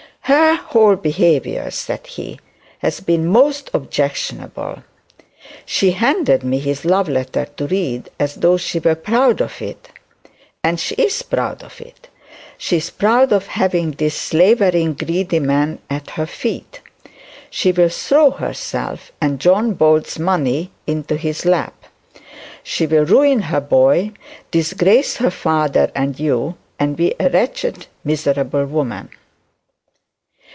'Her whole behaviour,' said he, 'has been most objectionable. She handed me his love letter to read as though she were proud of it. And she is proud of it. She is proud of having this slavering, greedy man at her feet. She will throw herself and John Bold's money into his lap; she will ruin her boy, disgrace her father and you, and be a wretched miserable woman.'